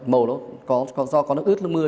màu nó do có nước ướt nước mưa